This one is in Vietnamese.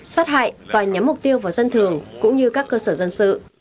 sát hại và nhắm mục tiêu vào dân thường cũng như các cơ sở dân sự